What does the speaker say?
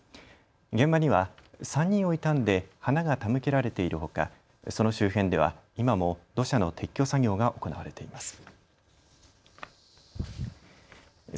現場には３人を悼んで花が手向けられているほかその周辺では今も土砂の撤去作業が行われています。